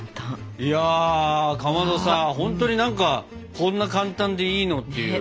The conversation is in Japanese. いやかまどさほんとに何かこんな簡単でいいのっていう感じなんですけど。